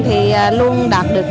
thì luôn đạt được